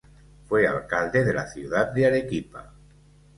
Fue alcalde de la ciudad de Arequipa.